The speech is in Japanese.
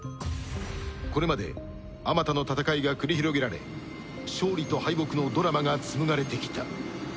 これまであまたの戦いが繰り広げられ勝利と敗北のドラマが紡がれてきた